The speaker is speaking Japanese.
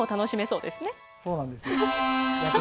そうなんです。